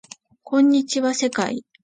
こんにちは世界